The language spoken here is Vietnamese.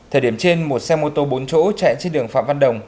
thời điểm trên một xe mô tô bốn chỗ chạy trên đường phạm văn đồng